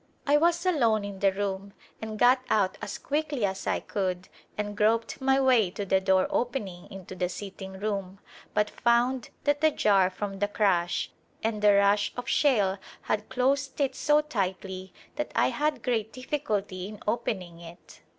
I was alone in the room and got out as quickly as I could and groped my way to the door opening into the sitting room but found that the jar from the crash and the rush of shale had closed it so tightly that I had great difficulty in opening it.